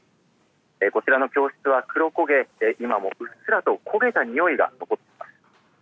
こちらの教室は黒焦げ、今もうっすらと焦げたにおいが残っています。